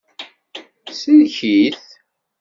Sellek-it.